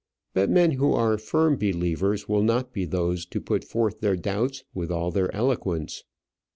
But men who are firm believers will not be those to put forth their doubts with all their eloquence.